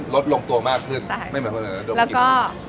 ลดลงตัวมากไม่เหมือนคนอื่นแล้วก็